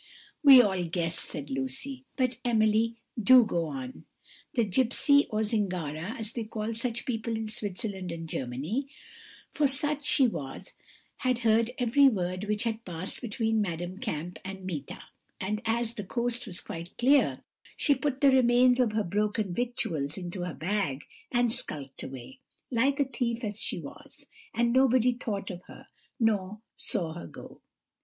"We all guessed," said Lucy; "but, Emily, do go on." "The gipsy, or zingara (as they call such people in Switzerland and Germany), for such she was, had heard every word which had passed between Madame Kamp and Meeta; and as the coast was quite clear, she put the remains of her broken victuals into her bag and skulked away, like a thief as she was; and nobody thought of her, nor saw her go.